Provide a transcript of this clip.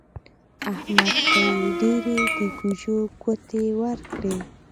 احمد ته يې ډېرې د ګوچو ګوتې ورکړې.